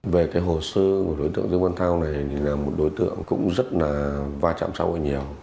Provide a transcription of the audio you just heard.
về cái hồ sơ của đối tượng dương văn thao này là một đối tượng cũng rất là va chạm sau rất nhiều